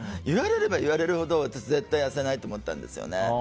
言われれば言われるほど私、絶対痩せないと思ったんですよね。